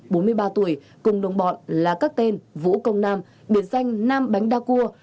bốn mươi ba tuổi cùng đồng bọn là các tên vũ công nam biệt danh nam bánh đa cua